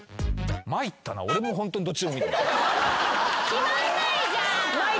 決まんないじゃん。